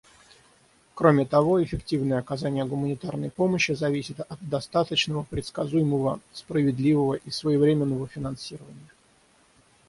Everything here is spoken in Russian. Кроме того, эффективное оказание гуманитарной помощи зависит от достаточного, предсказуемого, справедливого и своевременного финансирования.